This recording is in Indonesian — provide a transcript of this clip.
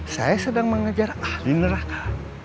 saya sedang mengejar ahli neraka